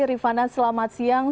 rifana selamat siang